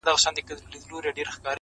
توروه سترگي ښايستې په خامـوشـۍ كي.